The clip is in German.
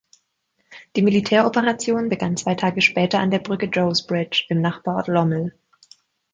Die Militäroperation begann zwei Tage später an der Brücke Joe’s Bridge im Nachbarort Lommel.